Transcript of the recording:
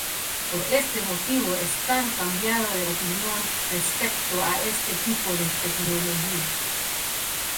Por este motivo, están cambiando de opinión respecto a este tipo de tecnología.